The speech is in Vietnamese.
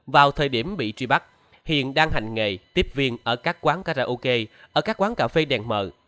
vào thời điểm bị truy bắt hiền đang hành nghề tiếp viên ở các quán karaoke ở các quán cà phê đèn mờ